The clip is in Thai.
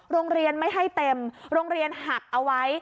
โรงเรียนไม่ให้เต็มโรงเรียนหักเอาไว้